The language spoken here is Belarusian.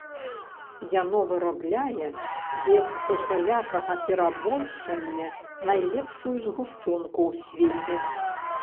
Яно вырабляе без усялякага перабольшання найлепшую згушчонку ў свеце.